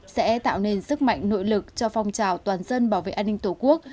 sẽ tạo nên sức mạnh nội lực cho phong trào toàn dân bảo vệ an ninh tổ quốc